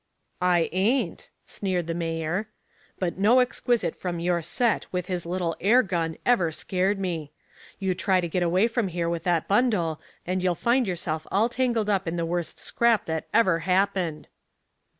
"I ain't," sneered the mayor. "But no exquisite from your set with his little air gun ever scared me. You try to get away from here with that bundle and you'll find yourself all tangled up in the worst scrap that ever happened."